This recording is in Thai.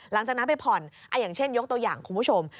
หลังจากนั้นไปผ่อนอย่างเช่นยกตัวอย่างคุณผู้ชม